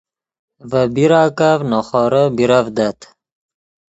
ڤے بیراکف نے خورے بیرڤدت